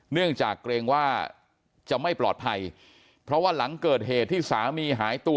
เนื่องจากเกรงว่าจะไม่ปลอดภัยเพราะว่าหลังเกิดเหตุที่สามีหายตัว